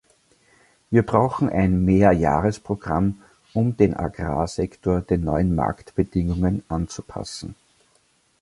Wir brauchen ein Mehrjahresprogramm, um den Agrarsektor den neuen Marktbedingungen anzupassen.